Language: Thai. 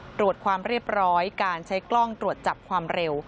ตรวจความเรียบร้อยการใช้กล้องตรวจจับความเร็ว